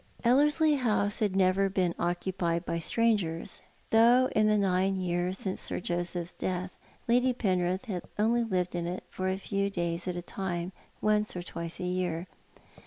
Ellerslie House had never been occupied by strangers, though in the nine years since Sir Joseph's death Lady Penrith had only lived in it for a few days at a time once or twice a year.